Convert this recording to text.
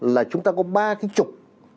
là chúng ta có ba cái trục